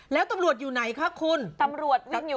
แล้วตำรวจอยู่ไหนคะคุณ